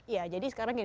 ya jadi sekarang gini